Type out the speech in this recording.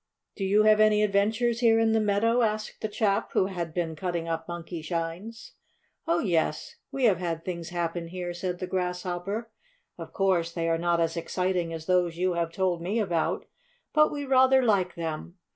"Do you have any adventures here in the meadow?" asked the chap who had been cutting up Monkeyshines. "Oh, yes, we have had things happen here," said the Grasshopper. "Of course they are not as exciting as those you have told me about. But we rather like them.